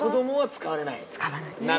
◆使わない。